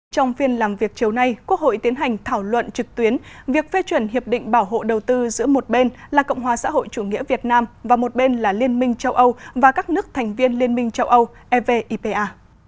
trong phiên làm việc chiều nay quốc hội tiến hành thảo luận trực tuyến việc phê chuẩn hiệp định bảo hộ đầu tư giữa một bên là cộng hòa xã hội chủ nghĩa việt nam và một bên là liên minh châu âu và các nước thành viên liên minh châu âu evipa